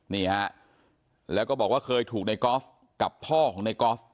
นี่ฮะแล้วก็บอกว่าเคยถูกในกอล์ฟกับพ่อของในกอล์ฟ